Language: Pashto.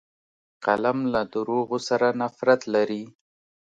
قلم له دروغو سره نفرت لري